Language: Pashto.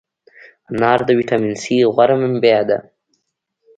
انار د ویټامین C غوره منبع ده.